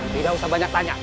tidak usah banyak tanya